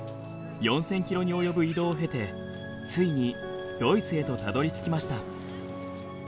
４，０００キロに及ぶ移動を経てついにドイツへとたどりつきました。